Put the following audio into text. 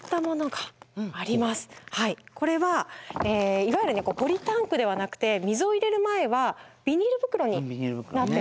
これはいわゆるポリタンクではなくて水を入れる前はビニール袋になってるんですね。